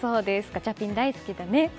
ガチャピン大好きだね。